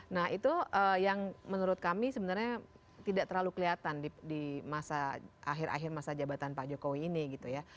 nah itu yang menurut kami sebenarnya tidak terlalu kelihatan di masa akhir akhir masa jabatan pak jokowi ini gitu ya